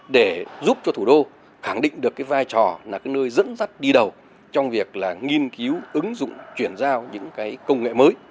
để giúp cho thủ đô khẳng định được vai trò là nơi dẫn dắt đi đầu trong việc nghiên cứu ứng dụng chuyển giao những công nghệ mới